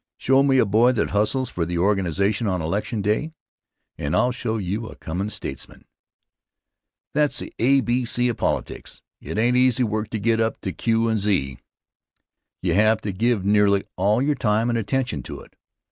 Show me a boy that hustles for the organization on election day, and I'll show you a comin' statesman. That's the a, b, c of politics. It ain't easy work to get up to q and z. You have to give nearly all your time and attention to it.